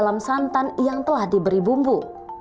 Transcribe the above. dan pula rendang ayam krispi ini telah diberi bumbu